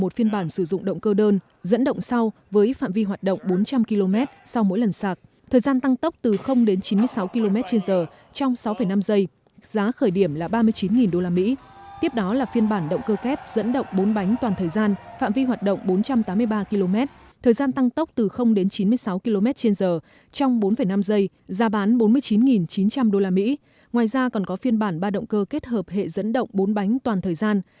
tesla còn có phiên bản ba động cơ kết hợp hệ dẫn động bốn bánh toàn thời gian